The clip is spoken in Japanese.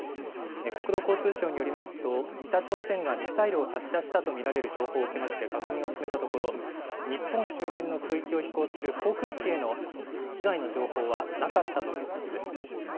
国土交通省によりますと、北朝鮮がミサイルを発射したと見られる情報を受けまして、確認を進めたところ、日本周辺の空域を飛行する航空機への被害の情報はなかったということです。